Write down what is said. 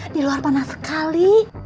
di luar panas sekali